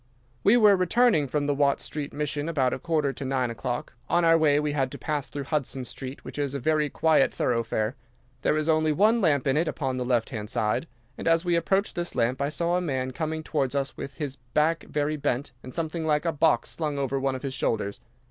"'We were returning from the Watt Street Mission about a quarter to nine o'clock. On our way we had to pass through Hudson Street, which is a very quiet thoroughfare. There is only one lamp in it, upon the left hand side, and as we approached this lamp I saw a man coming towards us with his back very bent, and something like a box slung over one of his shoulders.